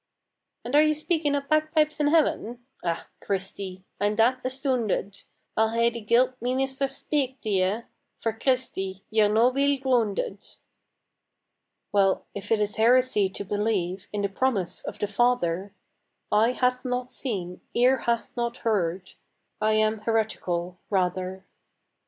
"And are ye speaking o' bagpipes in Heaven? Ah, Christy, I'm that astoonded I'll hae the guid meenister speak tae ye, For, Christy, ye're no weel groonded." Well, if it is heresy to believe In the promise of the Father, "Eye hath not seen, ear hath not heard," I am heretical, rather.